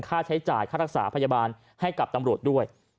ค่าใช้จ่ายค่ารักษาพยาบาลให้กับตำรวจด้วย